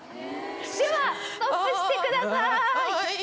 ではストップしてください。